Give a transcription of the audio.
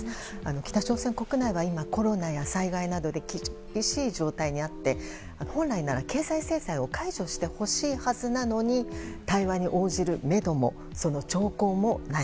北朝鮮国内は今コロナや災害などで厳しい状態にあって本来なら、経済制裁を解除してほしいはずなのに対話に応じるめども、兆候もない。